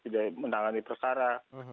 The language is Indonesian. tidak menangani perkara